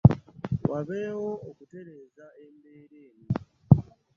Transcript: Wabeewo okutereeza embeera eno.